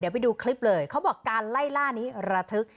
ไปดูคลิปเลยเขาบอกการไล่ล่านี้ระทึก